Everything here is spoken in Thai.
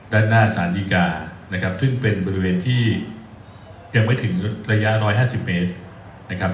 ด้านหน้าสารดีกานะครับซึ่งเป็นบริเวณที่ยังไม่ถึงระยะ๑๕๐เมตรนะครับ